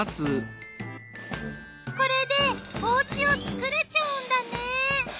これでおうちを作れちゃうんだね。